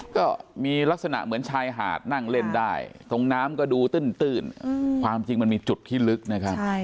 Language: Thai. ก็มีลักษณะเหมือนชายหาดนั่งเล่นได้ตรงน้ำก็ดูตื้นความจริงมันมีจุดที่ลึกนะครับ